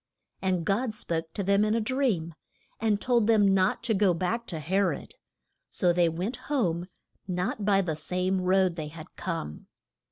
And God spoke to them in a dream, and told them not to go back to He rod, so they went home not by the same road they had come.